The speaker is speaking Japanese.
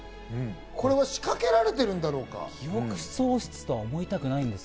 これは仕掛けられてるんだろうか。